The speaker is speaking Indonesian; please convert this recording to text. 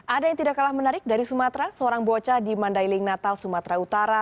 ada yang tidak kalah menarik dari sumatera seorang bocah di mandailing natal sumatera utara